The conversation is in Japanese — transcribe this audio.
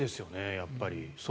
やっぱり。